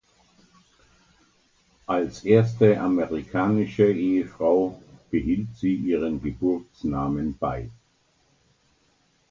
Als erste amerikanische Ehefrau behielt sie ihren Geburtsnamen bei.